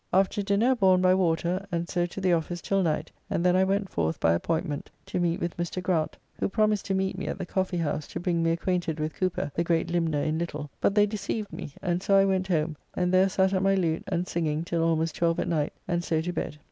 After dinner, borne by water, and so to the office till night, and then I went forth, by appointment, to meet with Mr. Grant, who promised to meet me at the Coffee house to bring me acquainted with Cooper the great limner in little, but they deceived me, and so I went home, and there sat at my lute and singing till almost twelve at night, and so to bed.